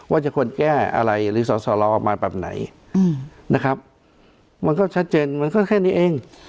ว่าจะควรแก้อะไรหรือสอสอรอออกมาแบบไหนนะครับมันก็ชัดเจนมันก็แค่นี้เอง